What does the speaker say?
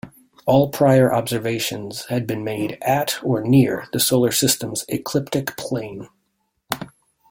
All prior observations had been made at or near the Solar System's ecliptic plane.